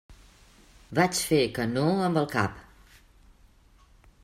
Vaig fer que no amb el cap.